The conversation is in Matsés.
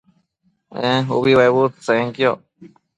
ee umbi nebudtsenquioc